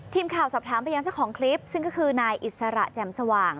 ทีมข่าวสอบถามไปยังเจ้าของคลิปซึ่งก็คือนายอิสระแจ่มสว่าง